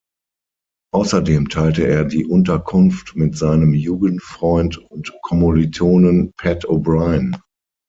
Außerdem teilte er die Unterkunft mit seinem Jugendfreund und Kommilitonen Pat O’Brien.